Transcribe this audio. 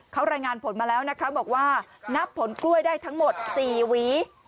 เขารายงานผลมาแล้วนะคะบอกว่านับผลกล้วยได้ทั้งหมด๔หวี